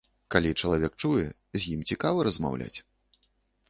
Калі чалавек чуе, з ім цікава размаўляць.